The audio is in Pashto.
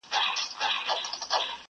عطار وځغستل ګنجي پسي روان سو!